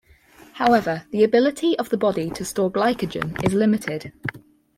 However, the ability of the body to store glycogen is limited.